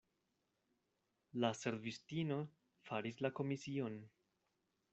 La servistino faris la komision.